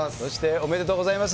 ありがとうございます。